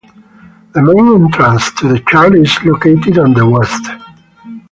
The main entrance to the church is located on the west.